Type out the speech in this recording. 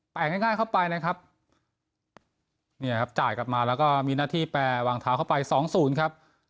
แต่ง่ายง่ายเข้าไปนะครับเนี่ยครับจ่ายกลับมาแล้วก็มีหน้าที่แปรวางเท้าเข้าไปสองศูนย์ครับ